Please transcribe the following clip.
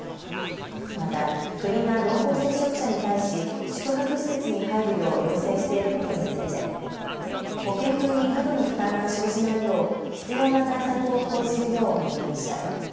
また、国が濃厚接触者に対し宿泊施設に入るよう要請していることについて保健所に過度の負担が生じないよう必要な対策を講じるよう求めました。